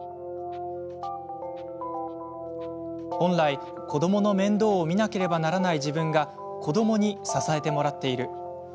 本来、子どもの面倒を見なければならない自分が子どもに支えてもらっている。